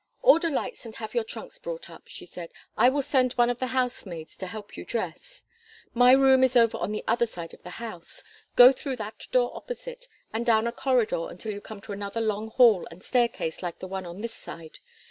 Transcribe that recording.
"Order lights and have your trunks brought up," she said. "I will send one of the housemaids to help you dress. My room is over on the other side of the house go through that door opposite, and down a corridor until you come to another long hall and staircase like the one on this side.